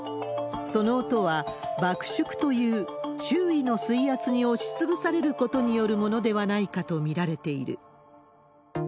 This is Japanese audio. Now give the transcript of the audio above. その音は爆縮という周囲の水圧に押しつぶされることによるものではないかと見られている。